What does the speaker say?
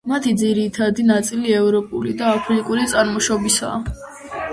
მათი ძირითადი ნაწილი ევროპული და აფრიკული წარმოშობისაა.